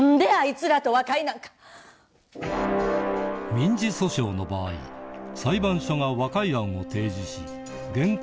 民事訴訟の場合裁判所が和解案を提示し原告